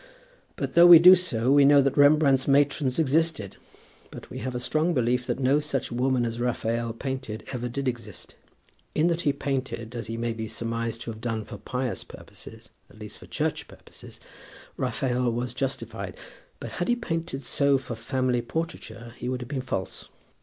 But, though we do so, we know that Rembrandt's matrons existed; but we have a strong belief that no such woman as Raphael painted ever did exist. In that he painted, as he may be surmised to have done, for pious purposes, at least for Church purposes, Raphael was justified; but had he painted so for family portraiture he would have been false.